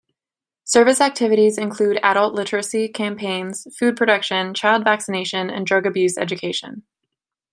Service activities include adult literacy campaigns, food production, child vaccination and drug abuse education.